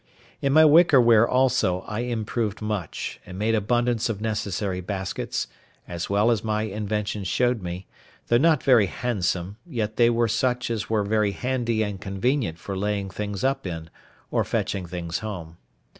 In my wicker ware also I improved much, and made abundance of necessary baskets, as well as my invention showed me; though not very handsome, yet they were such as were very handy and convenient for laying things up in, or fetching things home.